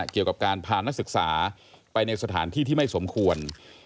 เกี่ยวกับการพานักศึกษาไปในสถานที่ที่ไม่สมควร